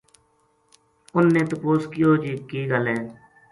انھ نے تپوس کیو جی کے گل ہے